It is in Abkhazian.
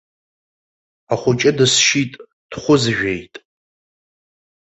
Ахәыҷы дысшьит, дхәызжәеит.